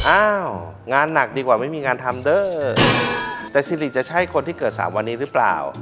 อ้าวงานหนักดีกว่าไม่มีงานทำเดอดแต่ซิริจะใช่คนที่เกิด๓วันนี้ค่ะ